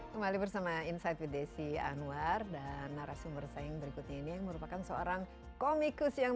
kembali bersama insight udne triana dan narasumber saing berikut ini merupakan seorang komikus yang